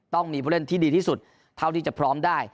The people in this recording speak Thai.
ต้องมีผู้เล่นที่ดีที่สุดเท่าที่จะพร้อมได้